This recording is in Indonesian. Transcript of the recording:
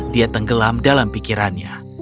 dia tenggelam dalam pikirannya